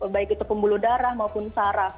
baik itu pembuluh darah maupun saraf